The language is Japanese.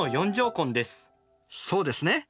そうですね。